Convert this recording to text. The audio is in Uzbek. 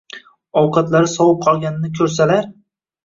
ovqatlari sovib bo‘lganini ko‘rsalar